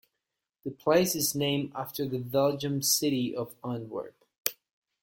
The place is named after the Belgian city of Antwerp.